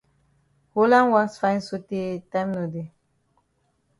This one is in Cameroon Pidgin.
Holland wax fine sotay time no dey.